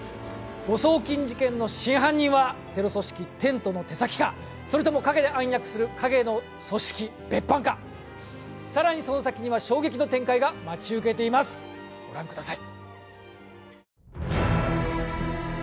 誤送金事件の真犯人は、テロ組織テントの手先かそれとも陰で暗躍する陰の組織・別班か更にその先には衝撃の展開が待ち受けていますご覧ください。